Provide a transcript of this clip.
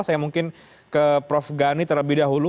saya mungkin ke prof gani terlebih dahulu